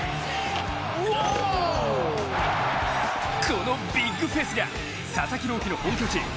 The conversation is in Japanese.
このビッグフェスが佐々木朗希の本拠地ＺＯＺＯ